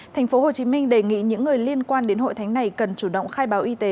tp hcm đề nghị những người liên quan đến hội thánh này cần chủ động khai báo y tế